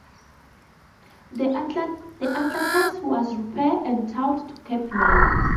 The "Atlantus" was repaired and towed to Cape May.